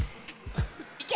いけ！